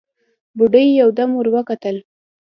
بوډۍ يودم ور وکتل: